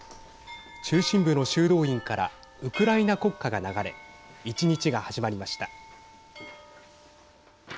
中心部の修道院からウクライナ国歌が流れ１日が始まりました。